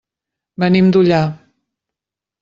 Venim d'Ullà.